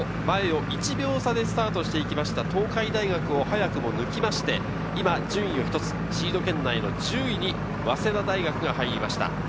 前を１秒差でスタートしていきました東海大学を早くも抜きまして、今順位を一つ、シード圏内の１０位に早稲田大学が入りました。